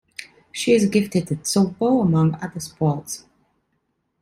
She is gifted at softball, among other sports.